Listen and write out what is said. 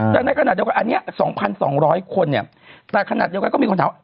ตอนนี้ร้อย๗๔แล้วร้อย๗๔คนอันนี้๒๒๐๐คนเนี่ยแต่ขนาดเดียวกันก็มีคำถามว่า